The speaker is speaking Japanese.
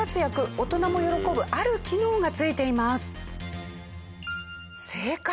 大人も喜ぶある機能がついています。